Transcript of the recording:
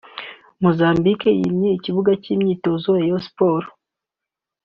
#Mozambique yimye ikibuga cy'imyitozo Rayons Sport